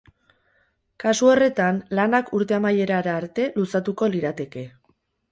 Kasu horretan, lanak urte amaierara arte luzatuko lirateke.